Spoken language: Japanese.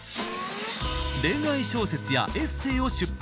恋愛小説やエッセーを出版。